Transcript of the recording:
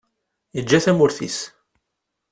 Yeǧǧa tamurt-is.